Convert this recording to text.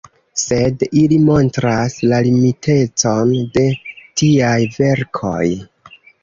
Sed ili montras la limitecon de tiaj verkoj.